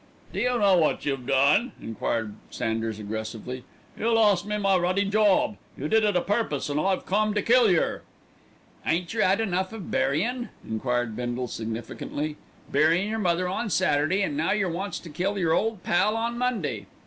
"D'you know what you done?" enquired Sanders aggressively. "You lost me my ruddy job. You did it a purpose, and I've come to kill yer." "Ain't yer 'ad enough of buryin'?" enquired Bindle significantly. "Buryin' yer mother on Saturday, and now yer wants to kill yer ole pal on Monday."